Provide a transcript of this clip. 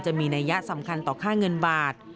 นัยยะสำคัญต่อค่าเงินบาท